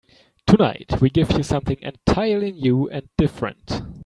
Tonight we give you something entirely new and different.